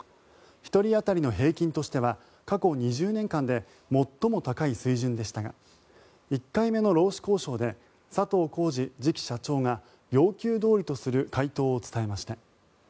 １人当たりの平均としては過去２０年間で最も高い水準でしたが１回目の労使交渉で佐藤恒治次期社長が要求どおりとする回答を伝えました。